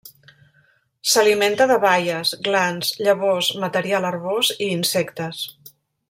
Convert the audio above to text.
S'alimenta de baies, glans, llavors, material herbós i insectes.